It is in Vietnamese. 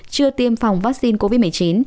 chưa tiêm phòng vaccine covid một mươi chín